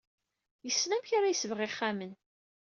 Yessen amek ara yesbeɣ ixxamen.